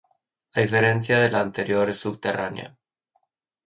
A diferencia de la anterior es subterránea.